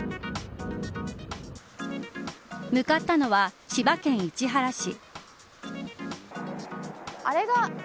向かったのは千葉県市原市。